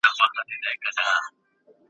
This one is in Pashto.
له خوب سره په مینه کي انسان په باور نه دی ,